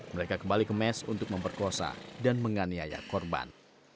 mereka kembali ke mes untuk memperkosa dan menganiaya korban